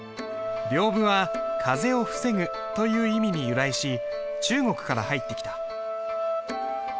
屏風は「風を防ぐ」という意味に由来し中国から入ってきた。